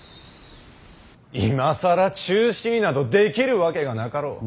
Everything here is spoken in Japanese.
今更中止になどできるわけがなかろう。